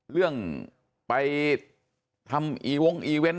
เรื่องไปทำอีว้งอีว้ง